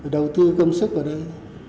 đầu tư công sức vào đây